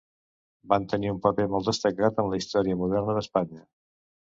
Van tenir un paper molt destacat en la història moderna d'Espanya.